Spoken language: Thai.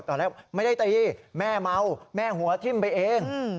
ตอนแรกไม่ได้ตีแม่เมาแม่หัวทิ้มไปเอง